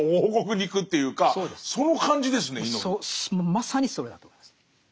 まさにそれだと思うんです。